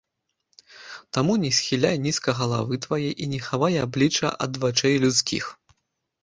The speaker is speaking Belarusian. Таму не схіляй нізка галавы твае, і не хавай аблічча ад вачэй людскіх.